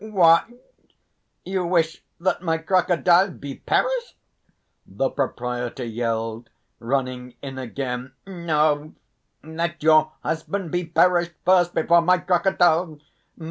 "What! You wish that my crocodile be perished!" the proprietor yelled, running in again. "No! let your husband be perished first, before my crocodile!...